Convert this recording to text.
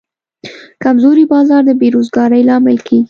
کمزوری بازار د بیروزګارۍ لامل کېږي.